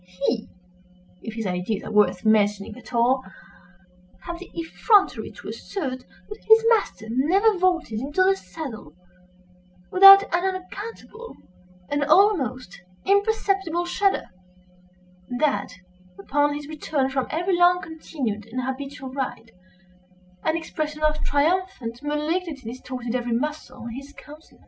He—if his ideas are worth mentioning at all—had the effrontery to assert that his master never vaulted into the saddle without an unaccountable and almost imperceptible shudder, and that, upon his return from every long continued and habitual ride, an expression of triumphant malignity distorted every muscle in his countenance.